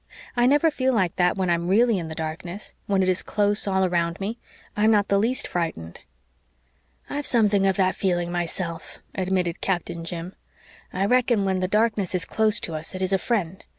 I never feel like that when I'm really in the darkness when it is close all around me I'm not the least frightened." "I've something of that feeling myself," admitted Captain Jim. "I reckon when the darkness is close to us it is a friend.